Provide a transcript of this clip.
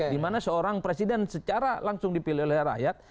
di mana seorang presiden secara langsung dipilih oleh rakyat